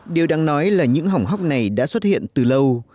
điều đáng nói là những hỏng hóc này đã xuất hiện từ lâu